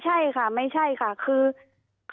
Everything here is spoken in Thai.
เจ้าหน้าที่แรงงานของไต้หวันบอก